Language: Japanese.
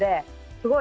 すごい！